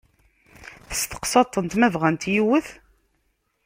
Testeqsaḍ-tent ma bɣant yiwet?